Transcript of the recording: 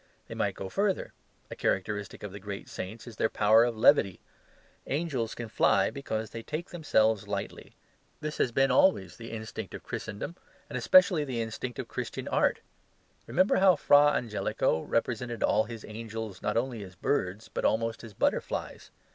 They might go further; a characteristic of the great saints is their power of levity. Angels can fly because they can take themselves lightly. This has been always the instinct of Christendom, and especially the instinct of Christian art. Remember how Fra Angelico represented all his angels, not only as birds, but almost as butterflies.